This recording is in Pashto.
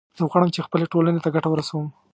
زه غواړم چې خپلې ټولنې ته ګټه ورسوم